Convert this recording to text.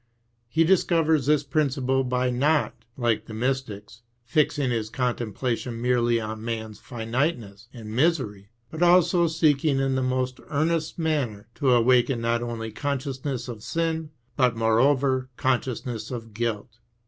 He discovers this principally by not, like the mystics, fixing his contemplation merely on man's finiteness and misery, but also seeking in the most earnest manner to awaken not only consciousness of sin, but moreover consciousness of guilt.